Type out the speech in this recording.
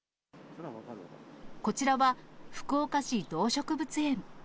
こちらは福岡市動植物園。